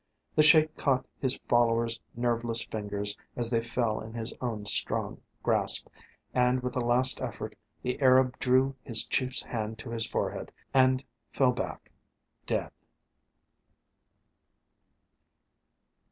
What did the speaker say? The Sheik caught his follower's nerveless fingers as they fell in his own strong grasp, and with a last effort the Arab drew his chief's hand to his forehead and fell back dead.